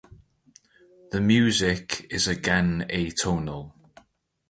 The music is again atonal.